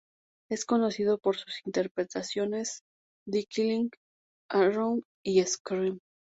Es conocido por sus interpretaciones en "The Killing", "Arrow" y "Scream".